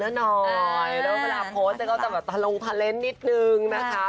แล้วเวลาโพสต์เนี่ยก็จะแบบตารงพาเล่นนิดนึงนะคะ